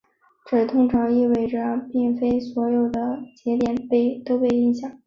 这通常意味着并非所有的节点被影响。